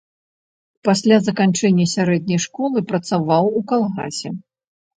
Пасля заканчэння сярэдняй школы працаваў у калгасе.